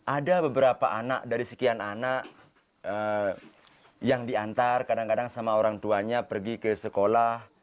ada beberapa anak dari sekian anak yang diantar kadang kadang sama orang tuanya pergi ke sekolah